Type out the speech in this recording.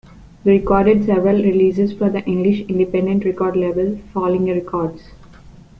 They recorded several releases for the English independent record label Falling A Records.